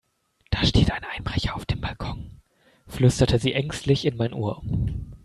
"Da steht ein Einbrecher auf dem Balkon", flüsterte sie ängstlich in mein Ohr.